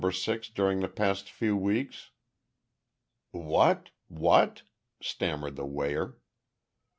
Six during the past few weeks?" "What what " stammered the weigher.